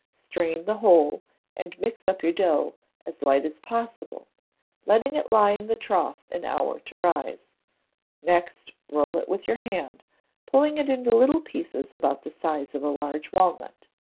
Strain the whole, and mix up your dough as light as possible, letting it lie in the trough an hour to rise; next roll it with your hand, pulling it into little pieces about the size of a large walnut.